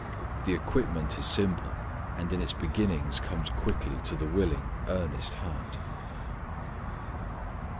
The equipment is simple, and in its beginnings comes quickly to the willing, earnest heart.